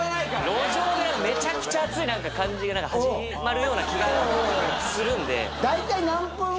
路上でめちゃくちゃ熱い感じが始まるような気がするんで。